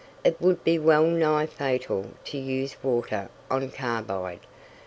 It would be well nigh fatal to use water on carbide.